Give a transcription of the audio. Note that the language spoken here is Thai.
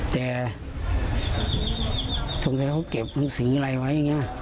แต่สงสัยเขาเก็บหนังสืออะไรไว้อย่างนี้